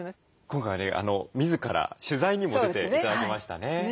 今回ね自ら取材にも出て頂きましたね。